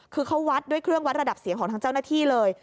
คือเขาวัดด้วยเครื่องวัดระดับเสียงของทางเจ้าหน้าที่เลย